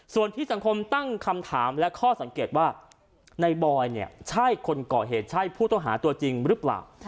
ส่วนที่สังคมตั้งคำถามและข้อสังเกตว่าในบอยเนี่ยใช่คนก่อเหตุใช่ผู้ต้องหาตัวจริงหรือเปล่า